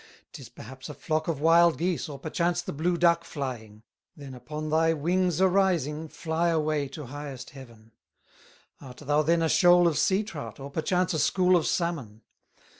'Tis perhaps a flock of wild geese, Or perchance the blue duck flying; Then upon thy wings arising, Fly away to highest heaven. "Art thou then a shoal of sea trout, Or perchance a school of salmon?